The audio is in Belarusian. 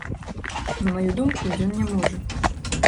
На маю думку, ён не можа.